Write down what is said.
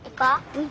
うん。